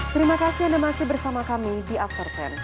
terima kasih anda masih bersama kami di after sepuluh